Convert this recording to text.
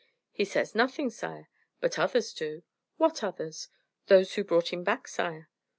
"He says nothing, sire; but others do." "What others?" "Those who brought him back, sire."